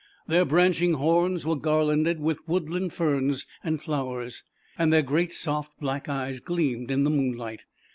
Their branching horns were garlanded with woodland ferns and flowers, and their great soft blacR eye gleamed in the moonlight.